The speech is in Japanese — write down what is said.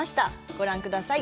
ご覧ください。